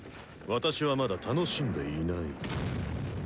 私はまだ楽しんでいない。